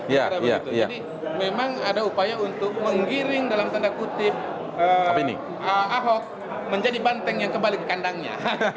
jadi memang ada upaya untuk menggiring dalam tanda kutip ahok menjadi banteng yang kembali ke kandangnya